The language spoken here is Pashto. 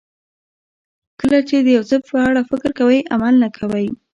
کله چې د یو څه په اړه فکر کوئ عمل نه کوئ.